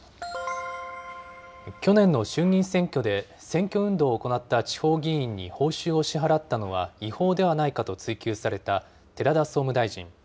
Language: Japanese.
去年の衆議院選挙で選挙運動を行った地方議員に報酬を支払ったのは違法ではないかと追及された寺田総務大臣。